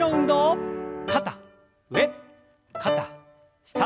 肩上肩下。